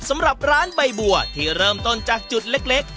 สำหรับร้านใบบัวที่เริ่มต้นจากจุดเล็ก